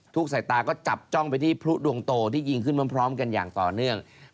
สายตาก็จับจ้องไปที่พลุดวงโตที่ยิงขึ้นพร้อมกันอย่างต่อเนื่อง